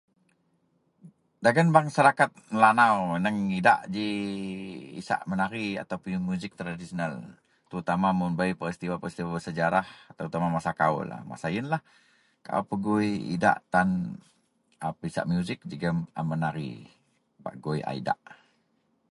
Dagen masaraket Melanau aneang idak ji isak menari atau musik tradisional terutama mun bei peristiwa peristiwa sejarah terutama masa kawol masa iyenlah kaau pegoi idak tan a pisak musik jegem a menari bak gui a idak.